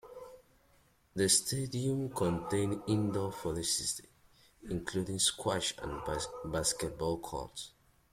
The stadium contains indoor facilities, including squash and basketball courts.